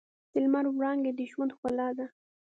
د لمر وړانګې د ژوند ښکلا ده.